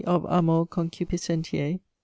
Of Amor Concupiscentiae.